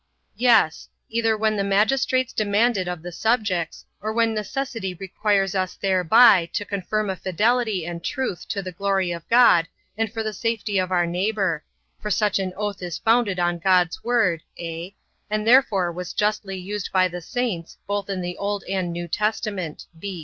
Yes: either when the magistrates demand it of the subjects; or when necessity requires us thereby to confirm a fidelity and truth to the glory of God, and the safety of our neighbour: for such an oath is founded on God's word, (a) and therefore was justly used by the saints, both in the Old and New Testament.